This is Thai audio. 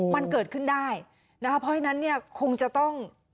มันเกิดขึ้นได้นะคะเพราะฉะนั้นเนี่ยคงจะต้อง